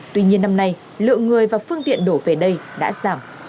tuy nhiên năm nay lượng người và phương tiện đổ về đây đã giảm